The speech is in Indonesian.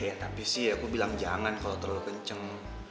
ya tapi sih aku bilang jangan kalau terlalu kenceng